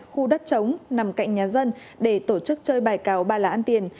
khu đất trống nằm cạnh nhà dân để tổ chức chơi bài cào ba là ăn tiền